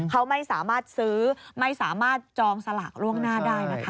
เขาไม่สามารถซื้อไม่สามารถจองสลากล่วงหน้าได้นะคะ